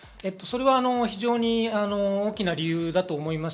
非常に大きな理由だと思います。